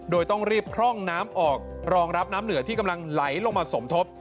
โดยต้องรีบพร่องน้ำออกรองรับน้ำเหนือที่กำลังไหลลงมาสมทบ